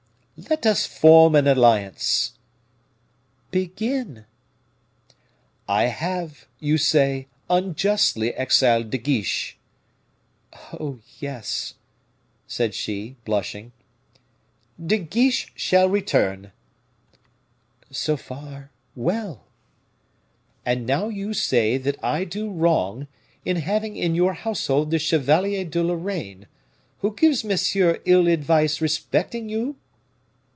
"Let us form an alliance." "Begin." "I have, you say, unjustly exiled De Guiche." "Oh! yes," said she, blushing. "De Guiche shall return." "So far, well." "And now you say that I do wrong in having in your household the Chevalier de Lorraine, who gives Monsieur ill advice respecting you?"